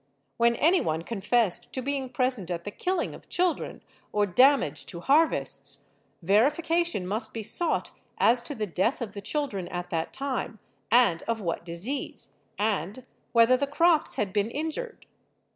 When any one confessed to being present at the killing of children or damage to harvests, verification must be sought as to the death of the children at that time, and of what disease, and whether the crops had been injured.